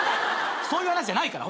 そういう話じゃないから。